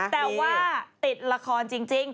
แต่ว่าติดละครจริง